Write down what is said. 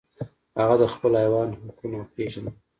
هغه د خپل حیوان حقونه پیژندل.